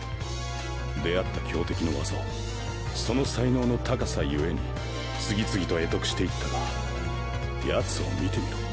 出会った強敵の技をその才能の高さゆえに次々と会得していったがヤツを見てみろ。